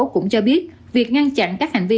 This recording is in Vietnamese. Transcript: cũng cho biết việc ngăn chặn các hành vi